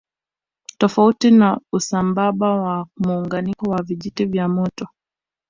Tofauti na usambamba wa muunganiko wa vijiti vya moto